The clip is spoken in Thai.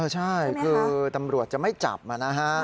ใช่คือตำรวจจะไม่จับนะฮะ